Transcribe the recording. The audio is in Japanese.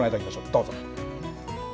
どうぞ。